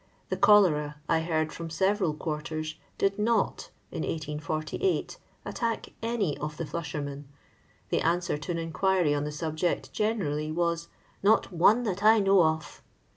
The cholera, I heard from several quarters, did not (in 1848) attack any of the flushermen. The answer to an inquiry on the subject generally was, " Not one that I know of."